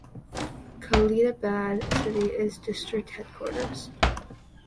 Khalilabad city is the district headquarters.